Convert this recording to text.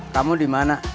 kamu di mana